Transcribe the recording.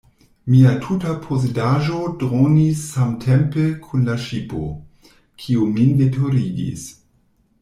Mia tuta posedaĵo dronis samtempe kun la ŝipo, kiu min veturigis.